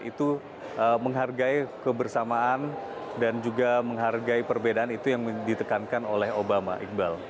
itu menghargai kebersamaan dan juga menghargai perbedaan itu yang ditekankan oleh obama iqbal